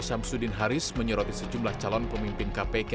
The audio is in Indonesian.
samsudin haris menyeroti sejumlah calon pemimpin kpk